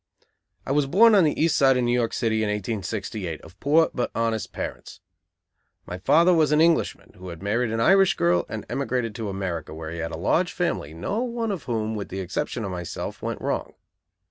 I was born on the east side of New York City in 1868, of poor but honest parents. My father was an Englishman who had married an Irish girl and emigrated to America, where he had a large family, no one of whom, with the exception of myself, went wrong.